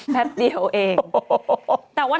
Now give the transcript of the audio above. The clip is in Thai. แป๊บเดียวเอง